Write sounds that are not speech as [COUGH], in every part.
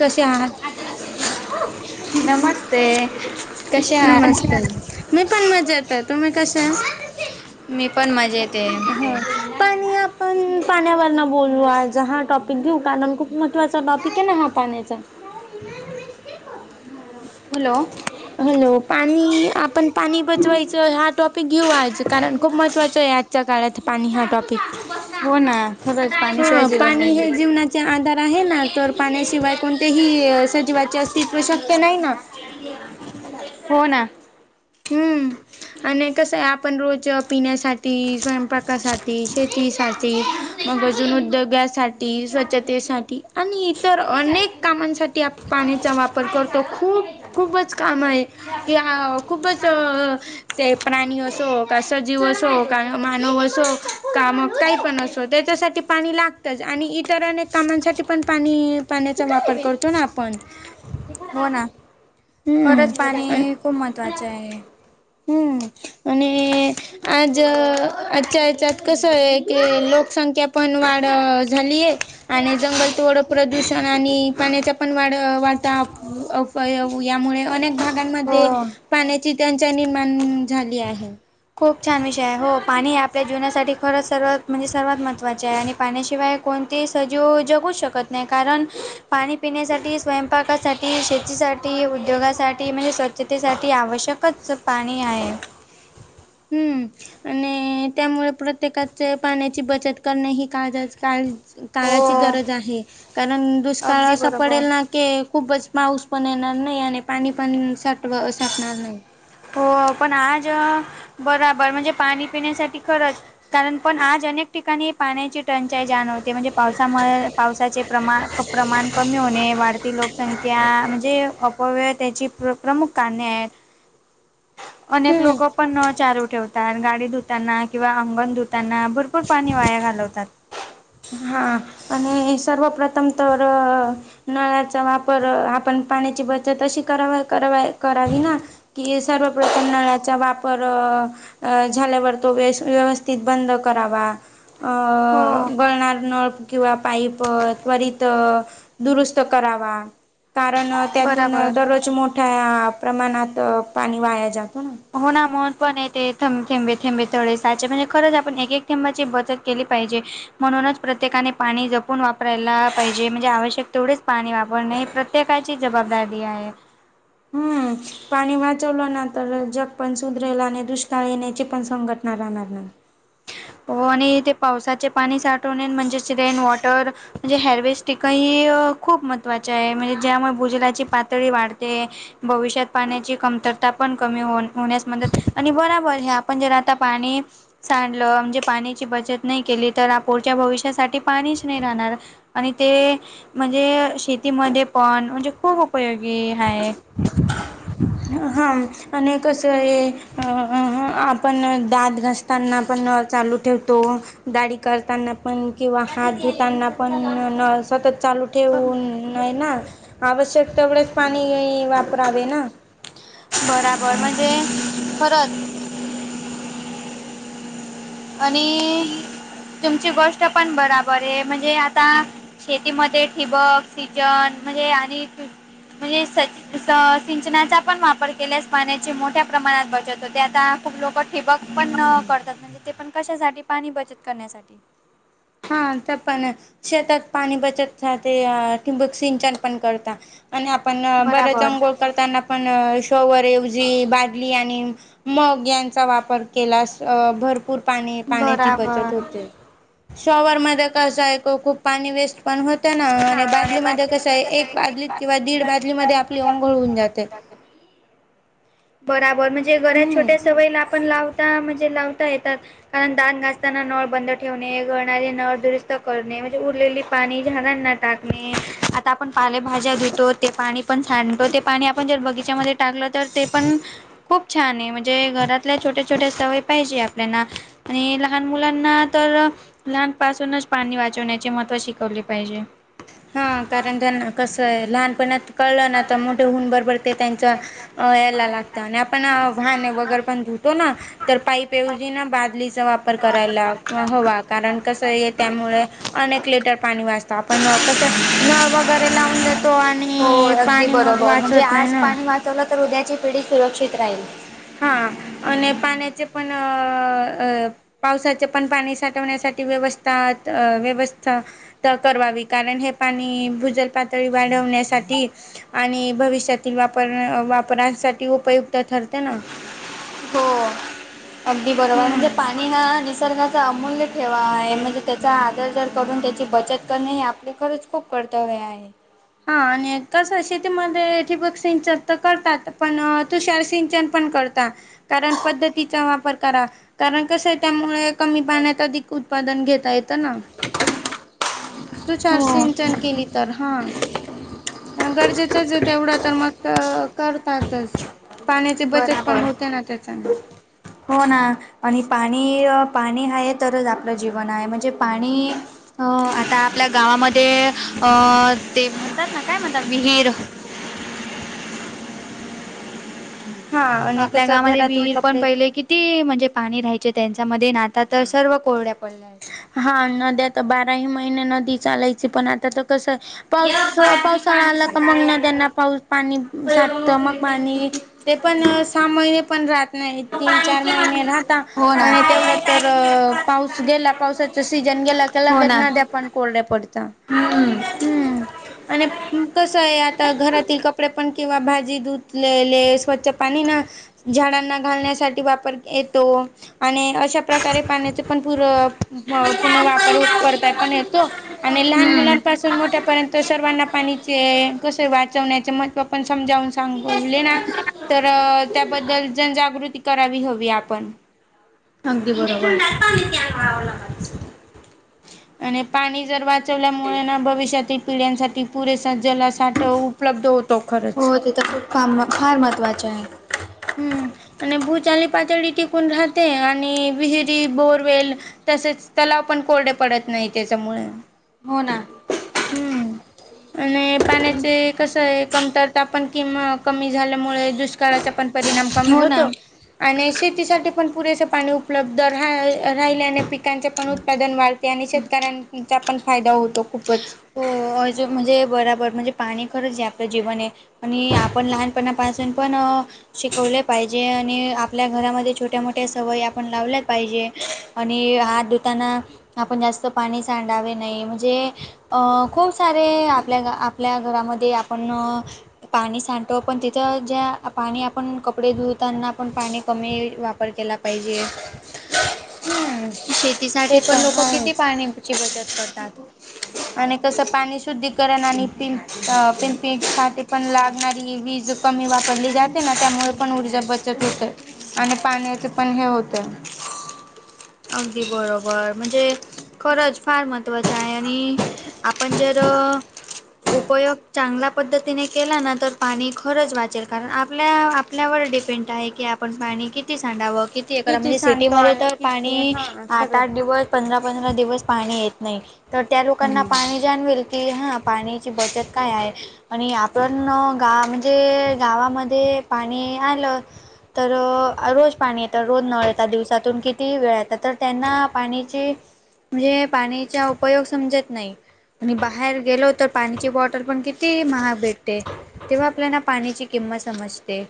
कसे आहात नमस्ते कसे आह नमस्कार मी पण मजा येत आहे तुमही कस आहे मी पण मजा येते पाणी आपण पाण्यावर बोललू आज हा टॉप घेऊ का खूप महत्वाचा टॉपिक आहे ना हा पाण्याचा हॅलो हॅलो पाणी आपण पाणी बचवायचं हा टॉपिक घेऊ आज कारण खूप महत्त्वाचं आहे आजच्या काळात पाणी हा टॉपिक हो ना खरंच पाणीशिवाय हा जेवण पाणी नाहीे हे जीवनाचे आधार आहे ना तर पाण्याशिवाय कोणते्याही सजीवाचे अस्तित्व शक्य नाही ना हो ना हम्म आणि कसं आहे आपण रोज पिण्यासाठी स्वयंपाकासाठी शेतीसाठी मग अजून उद्योगासाठी स्वच्छतेसाठी आणि इतर अनेक कामांसाठी आपण पाण्याचा वापर करतो खूप खूपच काम आहे या खूपच ते प्राणी असो का सजीव असो का मानव असो का मग काही पण असो त्याच्यासाठी पाणी लागतंच आणि इतर अनेक कामांसाठी पण पाणी पाण्याचा वापर करतो ना आपण ह हो ना खरंच पाणी हे खूप महत्त्वाचं आहे [INAUDIBLE] ह् आणि आज आजच्या याच्यात कसं आहे की लोकसंख्या पण वाढ झालीय आणि जंगल थोडं प्रदूषण आणि पाण्याचा पण वाढ वाढता यामुळे अनेक भागांमध्ये हो पाण्याची त्यांचा निर्माण झाली आहे खूप छान विषय आहे हो पाणी आपल्या जीवनासाठी खरंच सर्वात म्हणजे सर्वात महत्त्वाचे आहे आणि पाण्याशिवाय कोणतेही सजीव जगू शकत नाही कारण पाणी पिण्यासाठी स्वयंपाकासाठी ती शेतीसाठी उद्योगासाठी म्हणजे स्वच्छतेसाठी आवश्यकच पाणी आहे हम्म आणि त्यामुळे प्रत्येकाच पाण्याची बचत करणें ही काळजात काळ काळाची हो गरज आहे कारण दुष्काळ अगदी अस बरोबर पडेल ना कि खूपच पाऊस पण येणार नाही आणि पाणी पाण साठव साटणार नाही हो पण आज बराबर म्हणजे पाणी पिण्यासाठी खरंच कारण पण आज अनेक ठिकाणी पाण्याची टंचाई जाणवते म्हणजे पावसामुळे पावसाचे प्रमा प्रमाण कमी होणे वाढती लोकसंख्या त्या म्हणजे अपव्यय त्याची प्र प्रमुख कारणे आहेत अनेक हम्म लोक पण चालू ठेवतात गाडी धुताना किंवा अंगण धुताना बरर भरपूर पाणी वाया घालवतात हा आणि सर्वप्रथम तर नळाचा वापर आपण पाण्याची बचत अशी करावा करा करावी ना कि सर्वप्रथम नळा्याचा वापर अ झाल्यावर तो व व्यवस्थित बंद करावा अ हो गळणार न किंवा पाईप त्वरित दुरुस्त करावा कारण त्यातून बराबर दररोज मोठ्या प्रमाणात पाणी वाया जातो ना होणा मन पण य ते थंब थेंबे थेंबे थोडे साचे म्हणजे खरंच आपण एक एक थेंबाची बचत केली पाहिजे म्हणूनच प्रत्येकाने पाणी जपून वापरायला पाहिजे म्हणजे आवश्यक तेवढेच पाणी वापरणे्य प्रत्येक कायची जबाबदारी आहे हम्म पाणी वाचवलं ना तर जग पण सुधरेला आणि दुष्काळ येण्याची पण संघटना राहणार नाही हो आणि ते पावसाचे पाणी साठवणे म्हणजेच रेन वॉटर म्हणजे हरवेस् टिक ह खूप महत्त्वाची आहे म्हणजे ज्यामुळे भुजलाची पातळी वाढते भविष्यात पाण्याची कमतरता पण कमी हो होण्यास मदत आणि बराबर हे आपण जर आता पाणी सांडलं पाण्याची बचत नाही केली तर आप पुढच्या भविष्यासाठी पाणीच नाही राहणार आणि ते म्हणजे शेतीमध्ये पण म्हणजे खूप उपयोगी आहे हा अनेक अस आपण दात घसत त्यांना पण चालू ठेवतो दाडी करताना पण किंवा हात धुताना पण नळ सतत चालू ठेवून ना आवश्यक तेवढेच पाणी वापरावे ना बराबर म्हणजे परत आणि तुमची गोष्ट पण बराबर आहे म्हणजे आता शेतीमध्ये ठिबक सिजन म्हणजे आणि म्हणजे स सिंचनाचा पण वापर केल्यास पाण्याची मोठ्या प्रमाणात बचत होते आता खूप लोक ठिबक पण न करतात म्हणजे ते पण कशासाठी पाणी बचत करण्यासाठी हा तर पण शेतात पाणी बचत ते टिंबक सिंचन पण करत आणि आपण बरच बराबर अंघोळ करताना पण शोवर एवजी बादली आणि मग्यांचा वापर केल्यास भरपूर पाणी पाण्याची बराबर बचत होते शॉवरमध्ये कसं आहे खूप पाणी वेस्ट पण होत ना आणि बादलीमध्ये कसं आहे एक बादलीत किंवा दीड बादलीमध्ये आपली ओंघळ होऊन जाते [INAUDIBLE] बराबर म्हणजे घरात हम्म. छोट्या सवयीला आपण लावता म्हणजे लावता येतात कारण दात घासताना नळ बंद ठेवणे गळणारे नळ दुरुस्त करणे म्हणजे उरलेली पाणी झाडांना टाकणे आता आपण पालेभाज्या धुतो ते पाणी पण सांडतो ते पाणी आपण जर बगीचामध्ये टाकलं तर ते पण खूप छान आहे म्हणजे घरातल्या छोट्या छोट्या सवयी पाहिजे आपल्याना आणि लहान मुलांना तर लहानपासूनच पाणी वाचवण्याचे महत्त्व शिकवले पाहिजे. हा कारण त्यांना कसंय लहानपणात कळलं ना त मोठे होऊन बरोबरते त्यांच्या अ यायला लागता आणि आपण वाहने वगैरे पण धुतो ना तर पाईपऐवजी ना बादलीचा वाप वापर करायला हवा कारण कसय त्यामुळे अनेक लिटर पाणी वाचत आप आपण कसं नळ वगैरे लावून देतो हो आणि अगदी पाणी मग बरोबर म्हणजे वाचवत नाही आज ना पाणी वाचवलं तर उद्याची पिढी सुरक्षित राहील. हा आणि पाण्याचे पण अ पावसाचे पण पाणी साठवण्यासाठी व्यवस्था अ व्यवस्थ त करवावी कारण हे पाणी भुजल पातळी वाढवण्यासाठी आणि भविष्यातील वापर वापरांसाठी उपयुक्त ठरते ना हो अगदी बरोबर म्हणजे पाणी हा निसर्गाच अमूल् ते ठेवा आहे म्हणजे त्याचा आदर जर करून त्याची बचत करणे हे आपले खरंच खूप कर्तव्य आहे. हा आणि कसय शेतीमध्ये ठिबक सिंचन तर करतात पण तुषार सिंचन पण करता कारण पद्धतीचा वापर करा कारण कस त्यामुळे कमी पाण्यात अधिक उत्पादन घेता येतं ना [UNINTELLIGIBLE] तुषार सिंचन केली तर हा गरजेचंचये तेवढं तर मग करतातच पाण्याची बचत पण बराबर होते ना त्याच्यानी हो ना आणि पाणी पाणी हाय तरच आपलं जीवन आहे म्हणजे पाणी हो आता आपल्या गावामध्ये अ ते म्हणतात ना काय म्हणतात विहीर हा आणि आपल्या कसं गावाने घरातील विहीर पण कपडे पहिले की ती म्हणजे पाणी राहायचे त्यांच्या मध्ये ना आता तर सर्व कोरड्या पडल्या आहेत. हा नद्या तर बाराही महिने नदी चालायची पण आता तर कसं पाऊस पावसाळा आला का मग ना त्यांना पाऊस पाणी साठत मग पाणी ते पण सहा महिने पण जात नाही तीन चार महिने राहता हो ना. आणि तेवढा तर पाऊस अ गेला त्याचा सीझन गेला की हो लगेच ना. नद्या पण कोरड्या पडता. हम्म. [UNINTELLIGIBLE] आणि कसं आहे आता घरातील कपडे पण किंवा भाजी धुतलेले स्वच् ते पाणी ना झाडांना घालण्यासाठी वापर येतो आणि अशा प्रकारे पाण्याचे पण पुर हं पुन्हा वापर करताय पण येतो आणि लहान हम्म मुलांचा असून मोठ्या पर्यत सर्वांना पाणीचे कस वाचवण्याचे महत्त्व पण समजावून सांगवले ना तर त्याबद्दल जन जागृती करावी हवी आपण अगदी बरोबर [UNINTELLIGIBLE] आणि पाणी जर वाचवल्यामुळे ना भविष्यातील पिढ्यांसाठी पुरेसा जलांश साठ उपलब्ध होतो खरंच तस काम फार महत्वाची आहे. हम्म आणि भू चाली पातळी टिकून राहते आणि विहिर जी बोरवेल तसेच तलाव पण कोरडे पडत नाही त्याच्यामुळे हो ना हम्म आणि पाण्याचे कस आहे कमतरता पण कि कमी- झाल्यामुळे दुष्काळाचा पण परिणाम कमी हो ना. होतो आणि शेतीसाठी पण पुरेसे पाणी उप उपलब्ध राय राहिल्याने पिकांचे पण उत्पादन वाढते आणि शेतकऱ्यां - चा पण फायदा होतो खूपच हो [UNINTELLIGIBLE] म्हणजे बराबर म्हणजे पाणी खरंच आपलं जीवन आहे आणि आपण लहानपणापासून पण शिकवले पाहिजे आणि आपल्या घरामध्ये छोट्या मोठ्या सवयी आपण लावल्या पाहिजे आणि हात धुताना आपण जास्त पाणी सांडावे नाही म्हणजे अ खुप सारे आपल्या आपल्या घरामध्ये आपण पाणी सांडतो पण तिथं ज्या पाणी आपण कपडे धुताना आपण पाणी कमी वाप वापर केला पाहिजे [UNINTELLIGIBLE] ते शेतीसाठी तर पण लोक किती आहेच पाण्याची बचत करतात आणि कसं पाणी शुद्धीकरण आणि [UNINTELLIGIBLE] अ पिंपी साठी पण लागणारी वीज कमी वापरली जाते ना त्यामुळे पण ऊर्जा ब - बचत होते आणि पाण्याचे पण हे होते अगदी बरोबर म्हणजे - खरंच फार महत्त्वाचं आहे आणि आपण जर - उपयोग चांगल्या पद्धतीने केला ना तर पाणी खरंच वाचेल कारण आपल्या - आपल्यावर डिपेंड आहे की आपण पाणी किती सांडावं किती - किती सांगतो आणि किती हा आठ आठ खरंच दिवस पंधरा पंधरा दिवस पाणी येत नाही तर त्या लोकांना खरंच. पा जाणवेल की हां पाण्याची बचत काय आहे - आणि आपण गाव म्हणजे गावामध्ये पाणी आलं - तर रोज पाणी येतं रोज नळ येतात दिवसातून कि - ती वेळ यता तर त्यांना पाण्याची म्हणजे पाणीचा उपयोग समजत नाही आणि बाहेर गेलो तर पाण्याची बॉटल पण किती महाग भेटते तेव्हा आपल्याला पाण्याची किंमत समजते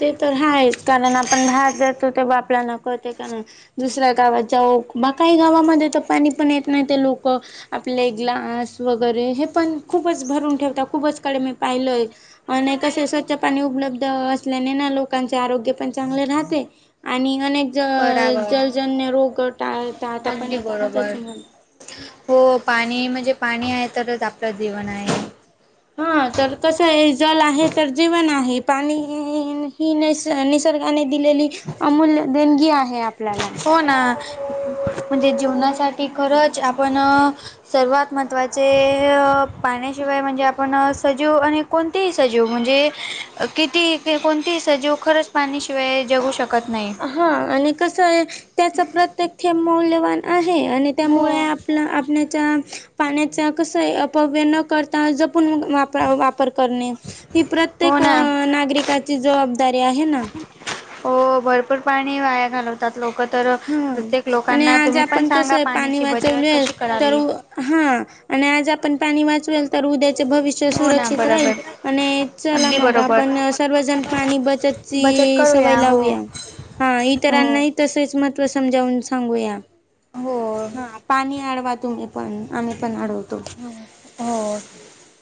ते तर आहेच कारण आपण भात जातो तेव्हा आपल्याला कळते कारण - दुसऱ्या गावाच्या बा काही गावामध्ये तर पाणी पण येत नाही ते लोक - आपले ग्लास वगैरे हे पण खूपच भरून ठेवता खूपच कडे मी पाहिलय आणि कसे स्वच्छ पाणी उपलब्ध अस - ल्या ले ना लोकांचे आरोग्य पण चांगले राहते आणि आणि - ज बराबर जलजन्य रोग टाळ टळता पण अगदी येत ना त्याच बरोबर. म्ह - हो पाणी म्हणजे पाणी आहे तरच आपलं जीवन आहे हा तर कस आहे जल आहे तर जीवण आहे पाणी हिन हिनस - [INAUDIBLE] निसर्गाने दिलेली अमूल्य देणगी आहे आपल्याला हो ना म्हणजे जेवणासाठी खरंच आपण सर्वात महत्त्वाचे पाण्याशिवाय म्हणजे आपण सजीव आणि कोणतेही सजीव म्हणजे कितीही कोणतेही सजीव खरंच पाणीशिवाय जगू शकत नाही हा आणि कसं आहे त्याच प्रत्येक थेंब मौल्यवान आहे आणि हो त्यामुळे आपलं आप ण्या क अव करता जून वापर करणे ही हो प्रत्येक ना. नागरिकाची जबाबदारी आहे ना हो भरपूर पाणी वाया घालवत ात लोक तर हा प्रत्येक आणि लोकांना आज तुम्ही पण आपण कसं सांगा आहे पाणी पाणीची बचत वाचवले कशी तर करावी हा आणि आज आपण पाणी वाचवेल तर उद्याचे भविष्य हो ना सुरक्षित राहील बरोबर आणि चला अगदी मग बरोबर आपण सर्वजण पाणी बचत सवय करूया हो लावूया हा हो इतरांना तसेच महत्त्व समजावून सांगूया हो हा पाणी अडवा तुम्ही पण आम्ही पण आढवतो हो